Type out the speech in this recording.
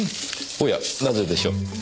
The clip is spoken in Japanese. おやなぜでしょう？